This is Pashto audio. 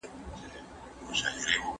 کتاب پر سم ځای کېږده.